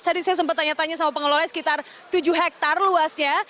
tadi saya sempat tanya tanya sama pengelola sekitar tujuh hektare luasnya